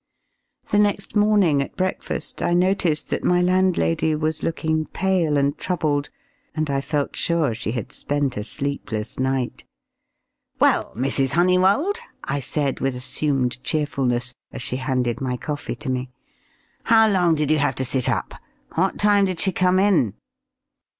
The next morning at breakfast, I noticed that my landlady was looking pale and troubled, and I felt sure she had spent a sleepless night. "Well, Mrs. Honeywold," I said, with assumed cheerfulness, as she handed my coffee to me, "how long did you have to sit up? What time did she come in?"